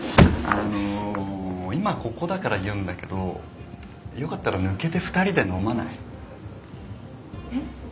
あの今ここだから言うんだけどよかったら抜けて２人で飲まない？え？